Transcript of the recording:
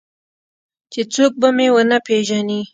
چې څوک به مې ونه پېژني.